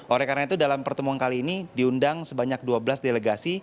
oleh karena itu dalam pertemuan kali ini diundang sebanyak dua belas delegasi